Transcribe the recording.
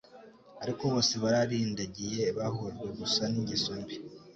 Ariko bose bararindagiye bahujwe gusa n’ingeso mbi